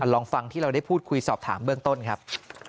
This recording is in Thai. ลองฟังที่เราได้พูดคุยสอบถามเบื้องต้นครับ